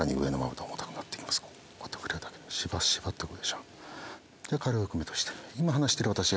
こうやって触れるとしばしばと来るでしょ。